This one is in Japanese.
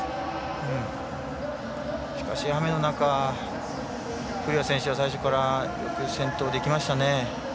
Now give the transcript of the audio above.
しかし、雨の中古屋選手は最初からよく先頭でいきましたね。